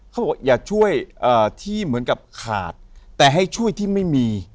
เขาบอกอย่าช่วยที่เหมือนกับขาดแต่ให้ช่วยที่ไม่มี